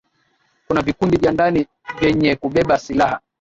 kuna vikundi vya ndani vyenye kubeba silaha